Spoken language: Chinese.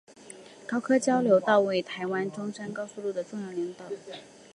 高科交流道为台湾中山高速公路的重要联络道路。